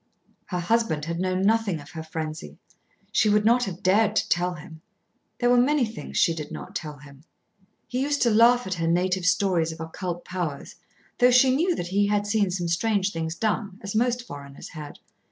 Her husband had known nothing of her frenzy. She would not have dared to tell him. There were many things she did not tell him. He used to laugh at her native stories of occult powers, though she knew that he had seen some strange things done, as most foreigners had.